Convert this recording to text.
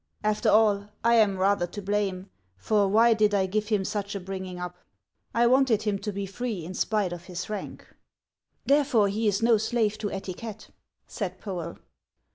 After all, I ani rather to blame, for why did I give him such a bringing up ? I wanted him to be free in spite of his rank." " Therefore he is no slave to etiquette," said Poel.